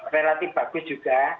relatif bagus juga